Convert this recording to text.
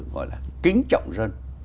gọi là kính trọng dân